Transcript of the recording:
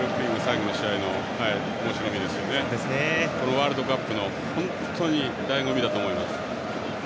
本当にワールドカップのだいご味だと思います。